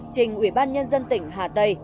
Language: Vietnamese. trình quỹ ban nhân dân tỉnh hà tây